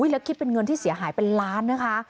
แล้วคิดเป็นเงินที่เสียหายเป็นล้านนะคะ